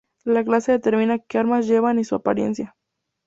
La clase determina que armas llevan y su apariencia.